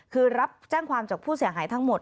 คือรับแจ้งความจากผู้เสียหายทั้งหมด